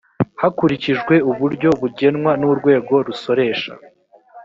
hakurikijwe uburyo bugenwa n urwego rusoresha